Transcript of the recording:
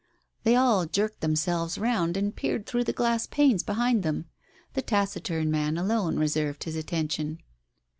They all jerked themselves round, and peered through the glass panes behind them. The taciturn man alone reserved his attention.